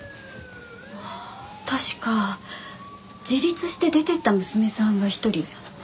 ああ確か自立して出ていった娘さんが１人。